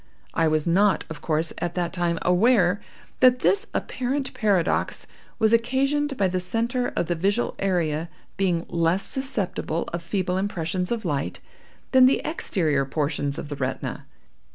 I was not, of course, at that time aware that this apparent paradox was occasioned by the center of the visual area being less susceptible of feeble impressions of light than the exterior portions of the retina.